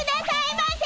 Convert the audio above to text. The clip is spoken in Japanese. ませ